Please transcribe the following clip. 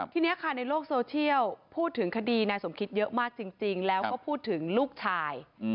ทีนี้ค่ะในโลกโซเชียลพูดถึงคดีนายสมคิดเยอะมากจริงแล้วก็พูดถึงลูกชาย